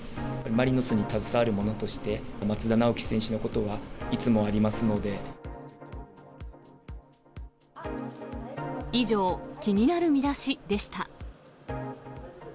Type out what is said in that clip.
マリノスに携わる者として松田直樹選手のことはいつもありますの以上、気になるミダシでした。